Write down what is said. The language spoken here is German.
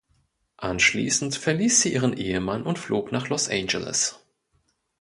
Anschließend verließ sie ihren Ehemann und flog nach Los Angeles.